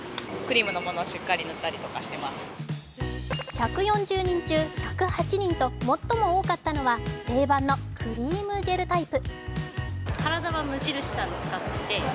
１４０人中１０８人と最も多かったのは、定番のクリーム・ジェルタイプ。